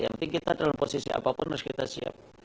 yang penting kita dalam posisi apapun harus kita siap